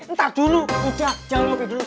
ntar dulu udah jalan ngopi dulu